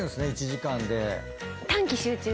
１時間で。